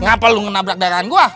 ngapain lo nabrak darah gue